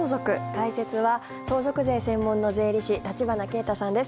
解説は相続税専門の税理士橘慶太さんです。